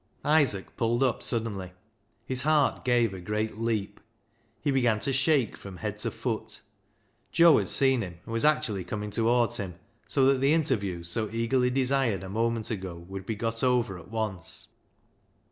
Isaac pulled up suddenly ; his heart gave a great leap ; he began to shake from head to foot. Joe had seen him, and was actually coming towards him, so that the interview so eagerly desired a moment ago would be got over at once.